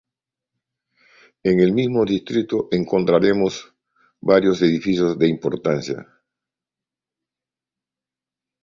En el mismo distrito encontramos varios edificios de importancia.